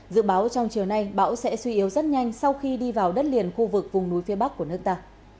dự báo trong chiều nay bão sẽ suy yếu rất nhanh sau khi đi vào đất liền khu vực vùng núi phía bắc của nước ta